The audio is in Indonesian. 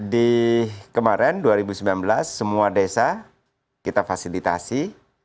di kemarin dua ribu sembilan belas semua desa kita fasilitasi